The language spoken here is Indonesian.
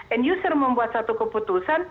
end user membuat satu keputusan